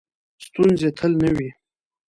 ستونزې تل نه وي .